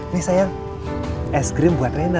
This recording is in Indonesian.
nih sayang es krim buat reina